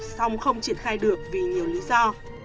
xong không triển khai được vì nhiều lý do